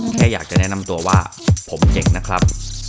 แค่อยากจะแนะนำตัวว่าผมเจ๋งนะครับ